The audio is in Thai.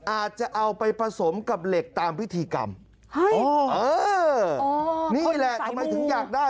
อาจจะเอาไปผสมกับเหล็กตามพิธีกรรมเฮ้ยอ๋อเออนี่แหละทำไมถึงอยากได้